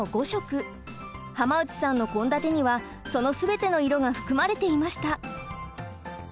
浜内さんの献立にはその全ての色が含まれていました。